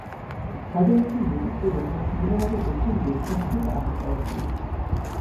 তাঁদের মধ্যে মজিদকে গতকাল শনিবার রাতে দক্ষিণ বেদকাশী থেকে আটক করে পুলিশ।